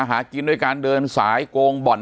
ปากกับภาคภูมิ